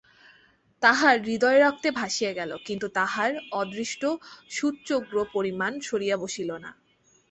তাহার হৃদয় রক্তে ভাসিয়া গেল, কিন্তু তাহার অদৃষ্ট সুচ্যগ্রপরিমাণ সরিয়া বসিল না।